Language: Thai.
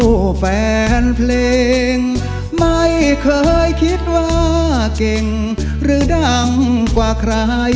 ขออยู่คู่แฟนเพลงไม่เคยคิดว่าเก่งหรือดังกว่าใครใคร